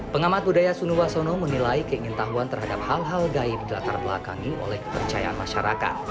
pengamat budaya sunuwakono menilai keingin tahuan terhadap hal hal gaib di latar belakangi oleh kepercayaan masyarakat